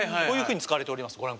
こういうふうに使われております。